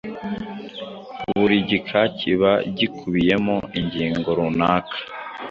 Buri gika kiba gikubiyemo ingingo runaka.